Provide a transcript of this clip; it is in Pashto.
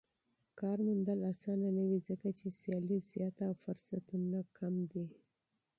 کار موندل اسانه نه وي ځکه چې سيالي زياته او فرصتونه محدود وي.